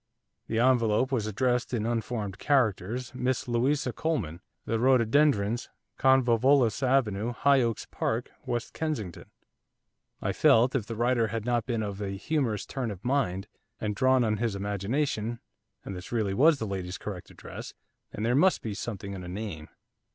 The envelope was addressed, in unformed characters, 'Miss Louisa Coleman, The Rhododendrons, Convolvulus Avenue, High Oaks Park, West Kensington.' I felt, if the writer had not been of a humorous turn of mind, and drawn on his imagination, and this really was the lady's correct address, then there must be something in a name.